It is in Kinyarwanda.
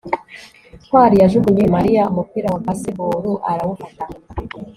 ntwali yajugunye mariya umupira wa baseball arawufata